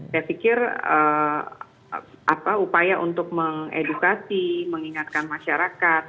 saya pikir upaya untuk mengedukasi mengingatkan masyarakat